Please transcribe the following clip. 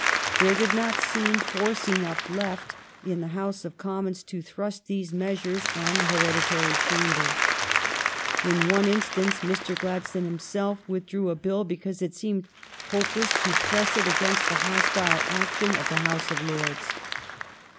There did not seem force enough left in the House of Commons to thrust these measures on the Heredi tary Chamber. In one instance Mr. Gladstone himself withdrew a bill because it seemed hopeless to press it on against the hostile action of the House of Lords.